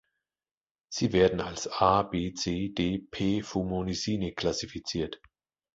Sie werden als A-, B-, C-, D-, P-Fumonisine klassifiziert.